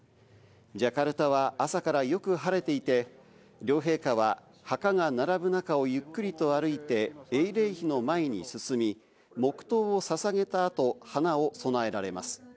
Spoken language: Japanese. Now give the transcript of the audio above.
ジャカルタは朝からよく晴れていて、両陛下は墓が並ぶ中をゆっくりと歩いて英霊碑の前に進み、黙とうをささげた後、花を供えられます。